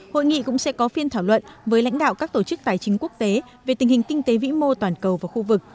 hội nghị cũng sẽ có phiên thảo luận với lãnh đạo các tổ chức tài chính quốc tế về tình hình kinh tế vĩ mô toàn cầu và khu vực